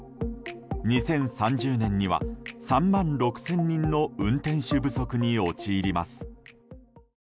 ２０３０年には３万６０００人の運転手不足に陥ります。